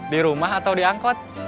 di rumah atau di angkot